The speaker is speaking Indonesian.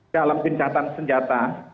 dalam pencatatan senjata